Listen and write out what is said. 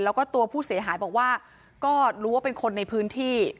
แล้วก็ตัวผู้เสียหายบอกว่าก็รู้ว่าเป็นคนในพื้นที่